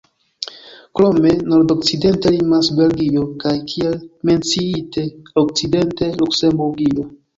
Krome nordokcidente limas Belgio, kaj, kiel menciite, okcidente Luksemburgio.